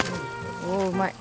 おおうまい。